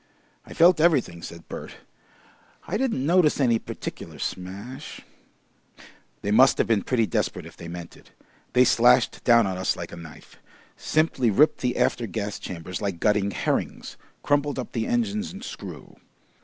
"I felt everything," said Bert. "I didn't notice any particular smash " "They must have been pretty desperate if they meant it. They slashed down on us like a knife; simply ripped the after gas chambers like gutting herrings, crumpled up the engines and screw.